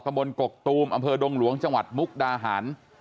บนกกตูมอำเภอดงหลวงจังหวัดมุกดาหาร